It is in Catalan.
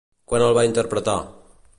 Quan el va interpretar?